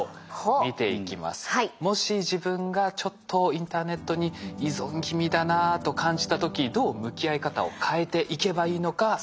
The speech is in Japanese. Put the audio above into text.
もし自分がちょっとインターネットに依存気味だなと感じた時どう向き合い方を変えていけばいいのか。